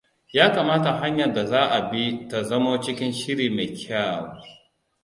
Ya kamata hanyar da za a bi ta zamo cikin shiri mai kyau.